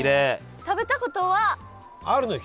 食べたことは？